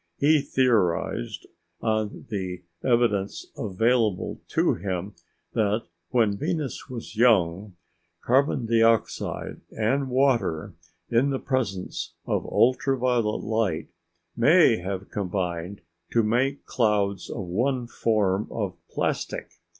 He theorized, on the evidence available to him, that, when Venus was young, carbon dioxide and water, in the presence of ultra violet light, may have combined to make clouds of one form of plastic!